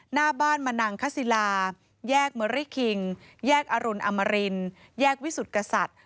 หน้าบ้านมนังคศิลาแยกเมอรี่คิงแยกอรุณอมรินแยกวิสุทธิกษัตริย์